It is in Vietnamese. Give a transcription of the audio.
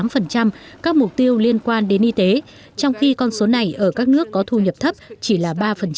khoảng tám các mục tiêu liên quan đến y tế trong khi con số này ở các nước có thu nhập thấp chỉ là